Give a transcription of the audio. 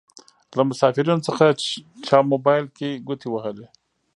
له مسافرينو څخه چا موبايل کې ګوتې وهلې.